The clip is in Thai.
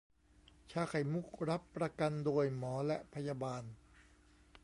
ชาไข่มุก รับประกันโดยหมอและพยาบาล